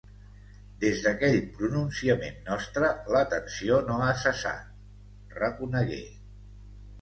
Des d’aquell pronunciament nostre, la tensió no ha cessat, reconegué.